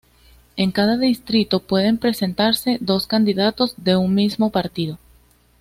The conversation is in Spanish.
En cada distrito pueden presentarse dos candidatos de un mismo partido.